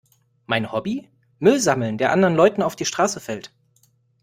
Mein Hobby? Müll sammeln, der anderen Leuten auf die Straße fällt.